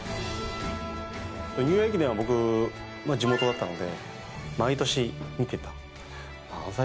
ニューイヤー駅伝は僕地元だったので。